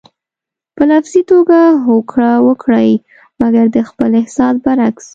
په لفظي توګه هوکړه وکړئ مګر د خپل احساس برعکس.